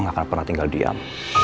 gua gak akan pernah tinggal diam